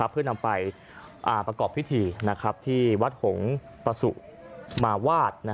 เพื่อนำไปประกอบพิธีที่วัดหงษ์ประสุมาวาด